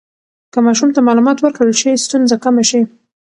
که ماشوم ته معلومات ورکړل شي، ستونزه کمه شي.